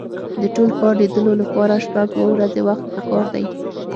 د ټول ښار لیدلو لپاره شپږ اوه ورځې وخت په کار دی.